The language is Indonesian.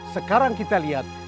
sekarang kita lihat